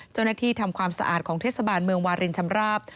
เจ้าหน้าที่ทำความสะอาดของเทศบาลเมืองวาเรนชำราบ